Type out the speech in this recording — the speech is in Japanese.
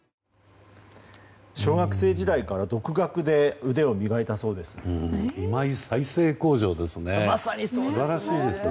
小学生時代から独学で腕を磨いたそうです。